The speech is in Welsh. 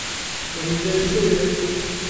Mae hi'n ddydd Llun.